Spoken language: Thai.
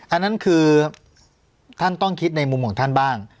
อันนั้นคือท่านต้องคิดในมุมของท่านบ้าง